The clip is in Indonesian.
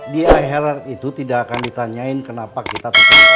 di akhirat itu tidak akan ditanyain kenapa kita tetap